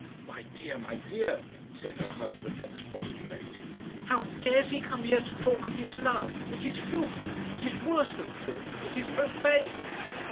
"My dear, my dear!" said her husband, expostulating. "How dares he come here to talk of his love? It is filthy it is worse than filthy it is profane."